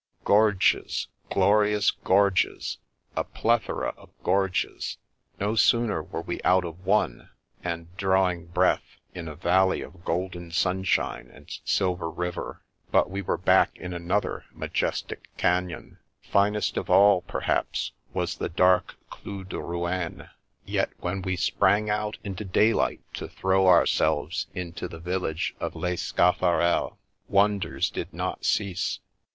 Gorges, glorious gorges! a plethora of gorges. No sooner were we out of one, and drawing breath in a valley of golden sunshine and silver river, but we were back in another majestic canon. Finest of all, perhaps, was the dark Clou de Rouaine ; yet when we sprang out into daylight to throw our selves into the village of Les Scaffarels, wonders did The Fairy Prince's Ring 351 not cease.